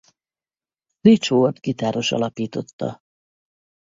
Rich Ward gitáros alapította.